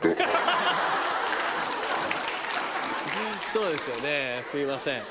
そうですよねすいません。